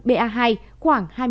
ba hai khoảng hai mươi bảy